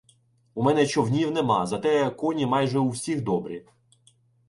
— У мене човнів нема, зате коні майже у всіх добрі.